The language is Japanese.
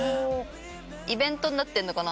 イベントになってるのかな？